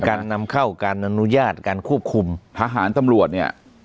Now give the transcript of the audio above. การนำเข้าการอนุญาตการควบคุมทหารตำรวจเนี่ย